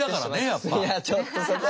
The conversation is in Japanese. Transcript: いやちょっとそこは。